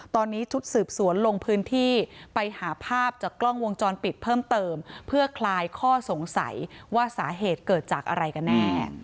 ตอนนี้ชุดสืบสวนลงพื้นที่ไปหาภาพจากกล้องวงจรปิดเพิ่มเติมเพื่อคลายข้อสงสัยว่าสาเหตุเกิดจากอะไรกันแน่